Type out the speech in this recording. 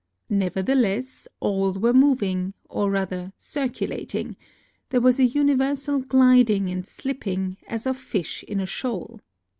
Nevertheless, all were moving, or rather circulating ; there was a universal gliding and slipping, as of fish in a shoal.